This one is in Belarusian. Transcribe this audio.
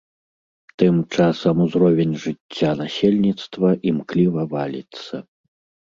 Тым часам узровень жыцця насельніцтва імкліва валіцца.